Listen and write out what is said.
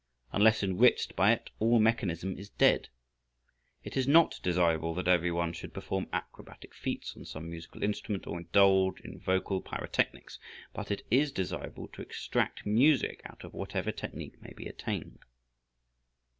Unless enriched by it, all mechanism is dead. It is not desirable that every one should perform acrobatic feats on some musical instrument, or indulge in vocal pyrotechnics, but it is desirable to extract music out of whatever technique may be attained.